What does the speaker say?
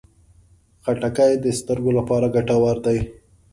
خټکی د سترګو لپاره ګټور دی.